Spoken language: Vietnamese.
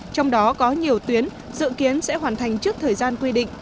trong đó có nhiều tuyến dự kiến sẽ hoàn thành trước thời gian quy định